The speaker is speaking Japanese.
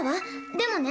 でもね。